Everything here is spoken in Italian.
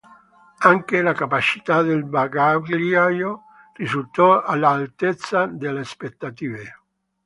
Anche la capacità del bagagliaio risultò all'altezza delle aspettative.